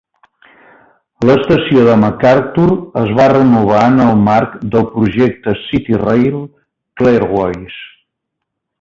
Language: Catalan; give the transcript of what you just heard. L'estació de Macarthur es va renovar en el marc del projecte CityRail Clearways.